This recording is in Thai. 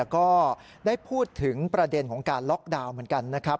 ก็ได้พูดถึงประเด็นของการล็อกดาวน์เหมือนกันนะครับ